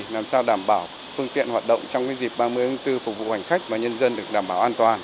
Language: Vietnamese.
làm sao đảm bảo phương tiện hoạt động trong dịp ba mươi tháng bốn phục vụ hành khách và nhân dân được đảm bảo an toàn